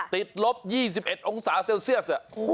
ติดลบ๒๑องศาเซลเซียส